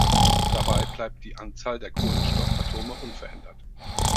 Dabei bleibt die Anzahl der Kohlenstoffatome unverändert.